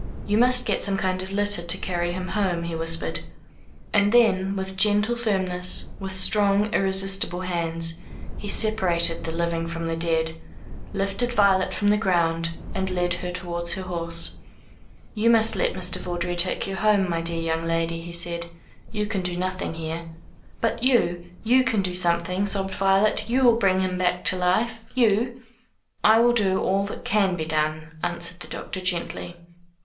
"You must get some kind of litter to carry him home," he whispered. And then with gentle firmness, with strong irresistible hands, he separated the living from the dead, lifted Violet from the ground and led her towards her horse. "You must let Mr. Vawdrey take you home, my dear young lady," he said. "You can do nothing here." "But you you can do something," sobbed Violet, "you will bring him back to life you " "I will do all that can be done," answered the doctor gently.